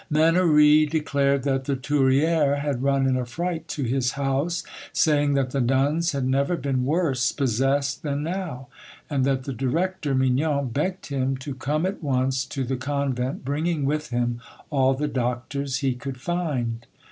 Mannouri declared that the 'touriere' had run in a fright to his house, saying that the nuns had never been worse possessed than now, and that the director, Mignon, begged him to come at once to the convent, bringing with him all the doctors he could find.